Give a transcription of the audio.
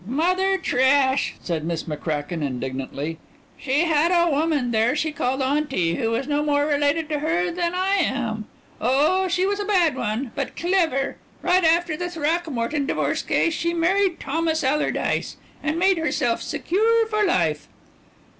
"Mother, trash!" said Miss McCracken indignantly. "She had a woman there she called 'Aunty', who was no more related to her than I am. Oh, she was a bad one but clever. Right after the Throckmorton divorce case she married Thomas Allerdyce, and made herself secure for life."